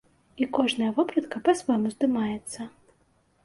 І кожная вопратка па-свойму здымаецца.